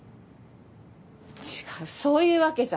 違うそういうわけじゃ。